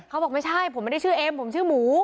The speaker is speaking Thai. เขาบอกไม่ใช่ผมไม่ได้ชื่อเอ็มผมชื่อหมู